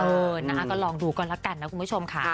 เออนะคะก็ลองดูก็แล้วกันนะคุณผู้ชมค่ะ